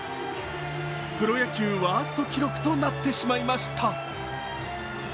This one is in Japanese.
プロ野球ワースト記録となってしまいまし。